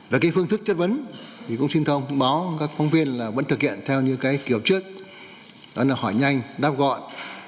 về cái phương thức chất vấn thì cũng xin thông báo các phóng viên là vẫn thực hiện theo như cái kiểu trước đó là hỏi nhanh đáp gọn